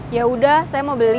ya udah saya mau beli